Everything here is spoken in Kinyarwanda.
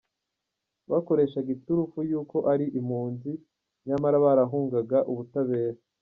Bakoreshaga iturufu y’uko ari impunzi, nyamara barahungaga ubutabera.